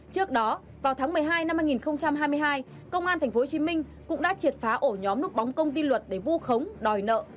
trước đó vào tháng một mươi hai năm hai nghìn hai mươi hai công an tp hcm cũng đã triệt phá ổ nhóm núp bóng công ty luật để vu khống đòi nợ